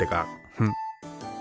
フッ。